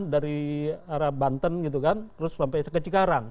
dari arah banten gitu kan terus sampai ke cikarang